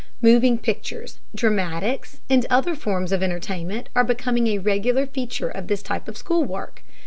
Moving pictures, dramatics, and other forms of entertainment are becoming a regular feature of this type of school work.